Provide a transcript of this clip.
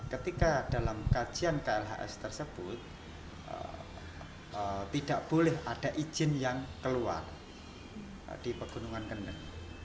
ketika dalam kajian klhs tersebut tidak boleh ada izin yang keluar di pegunungan kendeng